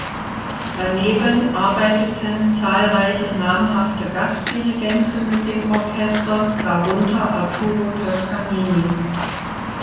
Daneben arbeiteten zahlreiche namhafte Gastdirigenten mit dem Orchester, darunter Arturo Toscanini.